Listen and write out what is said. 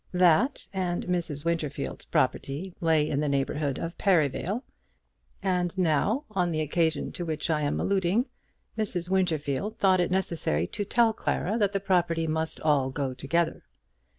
That and Mrs. Winterfield's property lay in the neighbourhood of Perivale; and now, on the occasion to which I am alluding, Mrs. Winterfield thought it necessary to tell Clara that the property must all go together.